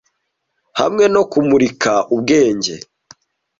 hamwe no kumurika ubwenge